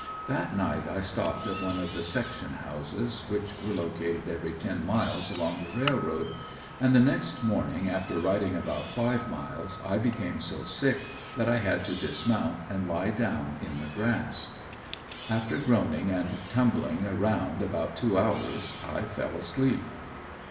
That night I stopped at one of the section houses, which were located every ten miles along the railroad. And the next morning after riding about five miles I became so sick that I had to dismount and lie down in the grass. After groaning and tumbling around about two hours I fell asleep.